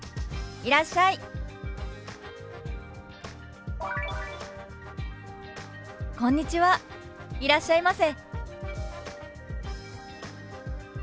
いらっしゃいませ」。